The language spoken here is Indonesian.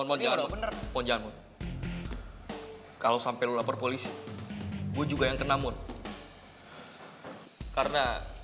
mon jangan mon